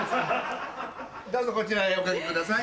どうぞこちらへおかけください。